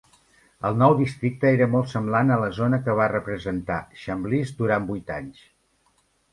El nou districte era molt semblant a la zona que va representar Chambliss durant vuit anys.